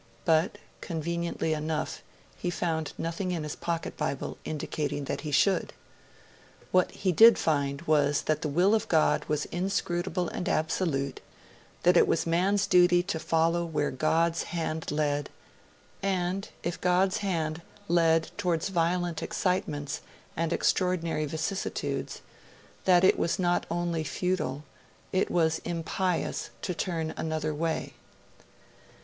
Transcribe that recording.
But, conveniently enough, he found nothing in his pocket Bible indicating that he should. What he did find was that the Will of God was inscrutable and absolute; that it was man's duty to follow where God's hand led; and, if God's hand led towards violent excitements and extraordinary vicissitudes, that it was not only futile, it was impious to turn another way.